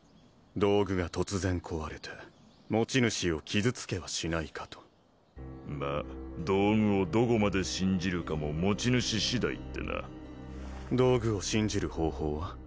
道具が突然壊れて持ち主を傷つけはしないかとまっ道具をどこまで信じるかも持ち主次第ってな道具を信じる方法は？